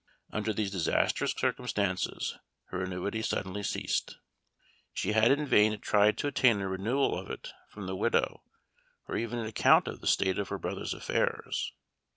Under these disastrous circumstances, her annuity suddenly ceased; she had in vain tried to obtain a renewal of it from the widow, or even an account of the state of her brother's affairs.